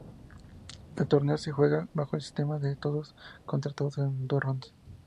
El torneo se juega bajo el sistema de todos contra todos en dos rondas.